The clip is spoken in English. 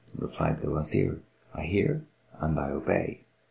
Replied the Wazir, "I hear and I obey."